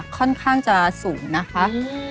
ค่อนข้างจะสูงนะคะ